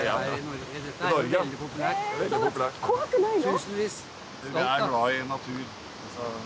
怖くないの？